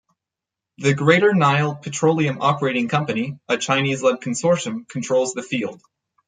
The Greater Nile Petroleum Operating Company, a Chinese-led consortium, controls the field.